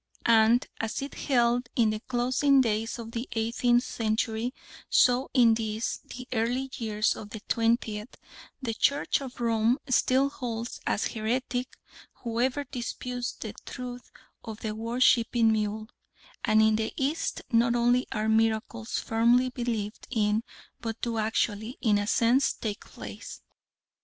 And as it held in the closing days of the eighteenth century, so in these, the early years of the twentieth, the Church of Rome still holds as heretic whoever disputes the truth of the worshipping mule, and in the East not only are miracles firmly believed in, but do actually, in a sense, take place.